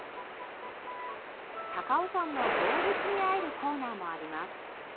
高尾山の動物に会えるコーナーもあります。